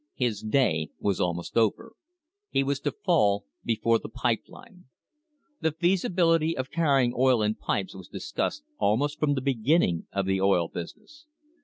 His day was almost over. He was to fall before the pipe line. The feasibility of carrying oil in pipes was dis cussed almost from the beginning of the oil business.